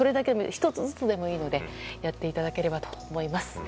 １つずつでもいいのでやっていただければと思います。